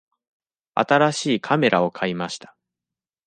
新しいカメラを買いました。